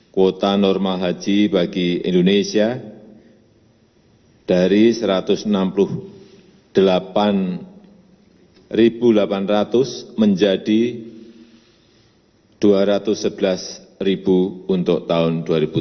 kuota normal haji bagi indonesia dari rp satu ratus enam puluh delapan delapan ratus menjadi rp dua ratus sebelas untuk tahun dua ribu tujuh belas